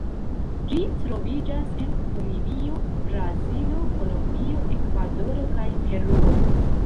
Ĝi troviĝas en Bolivio, Brazilo, Kolombio, Ekvadoro kaj Peruo.